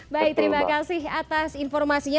baik terima kasih atas informasinya